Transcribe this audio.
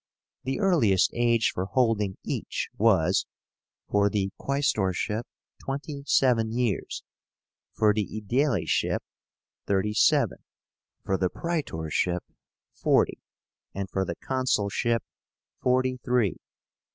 The earliest age for holding each was, for the quaestorship, twenty seven years; for the aedileship, thirty seven; for the praetorship, forty; and for the consulship, forty three.